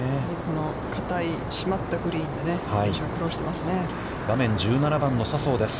硬い、締まったグリーンで苦労していますね。